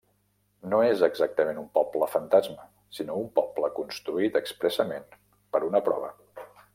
No és exactament un poble fantasma, sinó un poble construït expressament per una prova.